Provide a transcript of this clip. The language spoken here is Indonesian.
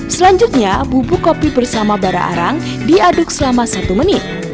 selanjutnya bubuk kopi bersama bara arang diaduk selama satu menit